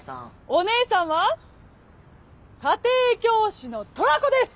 お姉さんは家庭教師のトラコです！